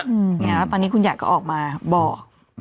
แล้วตอนนี้คุณยายก็ออกมาบอก